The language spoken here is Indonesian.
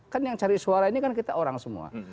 kan yang cari suara ini kan kita orang semua